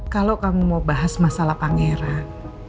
kalau kamu mau bahas masalah pangeran